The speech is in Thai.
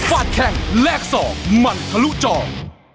วัดแข่งเล็กซอร์มันทะลุจอร์